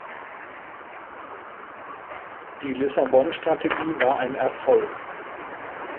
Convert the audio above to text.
Die Lissabon-Strategie war ein Erfolg.